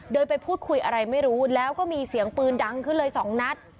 ไปพูดคุยอะไรไม่รู้แล้วก็มีเสียงปืนดังขึ้นเลยสองนัด